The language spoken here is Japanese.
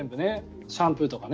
シャンプーとかね。